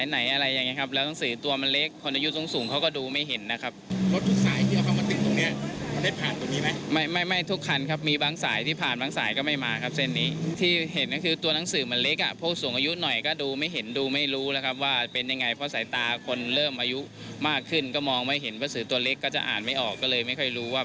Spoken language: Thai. หรือตัวเล็กก็จะอ่านไม่ออกก็เลยไม่ค่อยรู้ว่าเป็นยังไงนะครับ